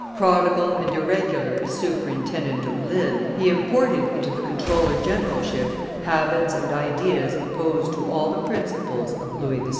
Prodigal and irregular as superintendent of Lille, he imported into the comptroller generalship habits and ideas opposed to all the principles of Louis XVI.